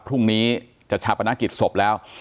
พรุ่งนี้จะชาปนกิจศพแล้ว